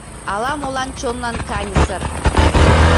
Ала-молан чонлан каньысыр...